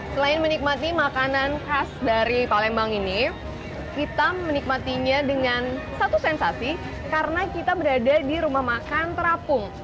selain menikmati makanan khas dari palembang ini kita menikmatinya dengan satu sensasi karena kita berada di rumah makan terapung